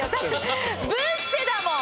ブッセだもん。